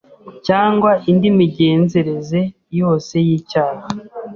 cyangwa indi migenzereze yose y’icyaha